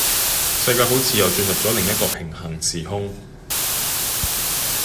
世界好似又進入左另一個平行時空